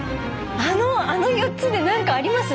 あの４つで何かあります？